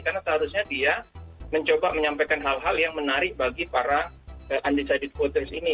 karena seharusnya dia mencoba menyampaikan hal hal yang menarik bagi para undecided voters ini